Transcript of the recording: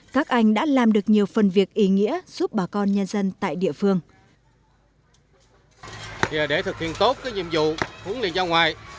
các anh đã làm được nhiều phần việc ý nghĩa giúp bà con nhân dân tại địa phương